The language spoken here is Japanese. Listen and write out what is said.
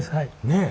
ねえ。